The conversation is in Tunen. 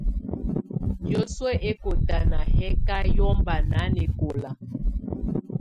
Yǝ́suǝ̀ ɛkɔ̀tana yɛ̀ kà yɔmba nanɛkɔla.